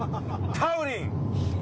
タウリン！！